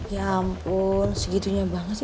ya ampun segitunya banget sih